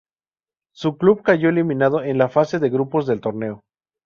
Su club cayó eliminado en la Fase de Grupos del torneo.